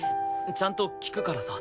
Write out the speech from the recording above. ちゃんと聞くからさ。